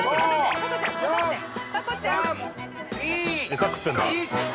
餌食ってんな。